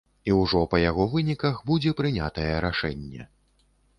І ўжо па яго выніках будзе прынятае рашэнне.